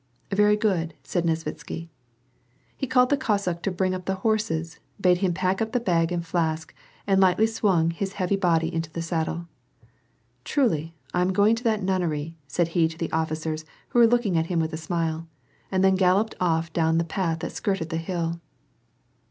" Very good," said Nesvitsky. He called the Cossack to bring up the horses, bade him pack up the bag and flask, and lightly swung his heavy body into the saddle. "Truly, I'm going to that nuunery," said he to the officers who were looking at him with a smile, and then galloped off down the path that skirted the hill.